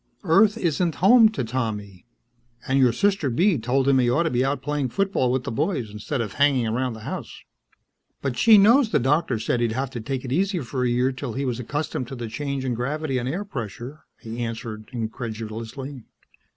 "Earth isn't home to Tommy. And your sister Bee told him he ought to be out playing football with the boys instead of hanging around the house." "But she knows the doctor said he'd have to take it easy for a year till he was accustomed to the change in gravity and air pressure," he answered incredulously.